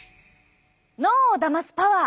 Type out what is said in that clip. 脳をだますパワー！